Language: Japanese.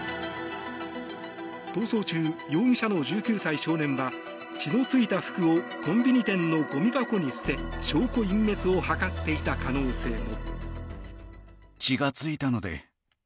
逃走中、容疑者の１９歳少年は血の付いた服をコンビニ店のごみ箱に捨て証拠隠滅を図っていた可能性も。